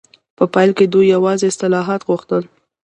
په پیل کې دوی یوازې اصلاحات غوښتل.